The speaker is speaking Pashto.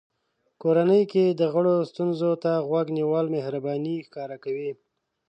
کورنۍ کې د غړو ستونزو ته غوږ نیول مهرباني ښکاره کوي.